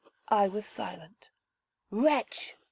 '—I was silent. 'Wretch!'